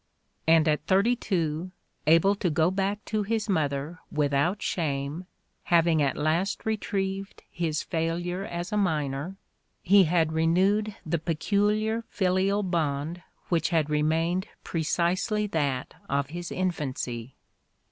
And at thirty two, able to go back to his mother "without shame," having at last retrieved his failure as a miner, he had renewed the peculiar filial bond which had remained precisely that of his infancy.